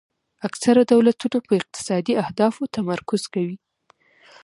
اکثره دولتونه په اقتصادي اهدافو تمرکز کوي